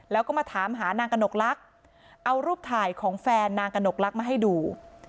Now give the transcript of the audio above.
แล้วก็มาถามหานางกนกลักเอารูปถ่ายของแฟนนางกนกลักมาให้ดู